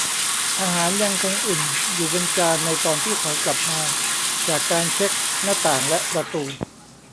อาหารยังคงอุ่นอยู่บนจานในตอนที่เขากลับมาจากการเช็คหน้าต่างและประตู